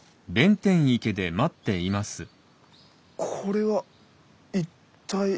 これは一体？